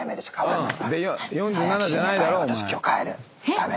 駄目。